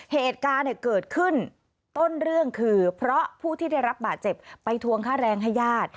เหตุการณ์เกิดขึ้นต้นเรื่องคือเพราะผู้ที่ได้รับบาดเจ็บไปทวงค่าแรงให้ญาติ